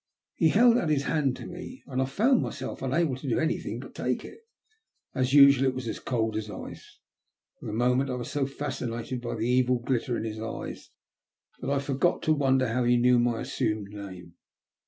He held out his hand to me and I found myself unable to do anything but take it. As usual it was as cold as ice. For the moment I was so fascinated by the evil glitter in his eyes that I forgot to wonder how he knew my assumed name.